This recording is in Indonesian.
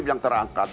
klub yang terangkat